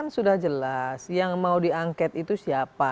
sudah jelas yang mau diangket itu siapa